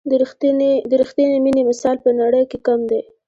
د رښتیني مینې مثال په نړۍ کې کم دی.